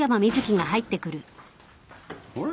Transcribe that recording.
・あれ？